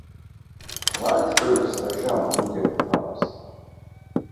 Large groups are shown in different colors.